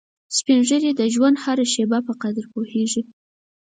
سپین ږیری د ژوند هره شېبه په قدر پوهیږي